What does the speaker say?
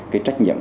cái trách nhiệm